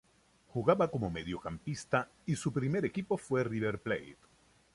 Jugaba como mediocampista y su primer equipo fue River Plate.